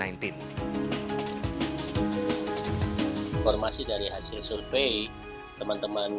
informasi dari hasil survei teman teman